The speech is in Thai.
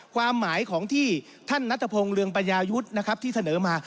ความหมายของที่ท่านนัทพงศ์เรืองปัญญายุทธ์นะครับที่เสนอมา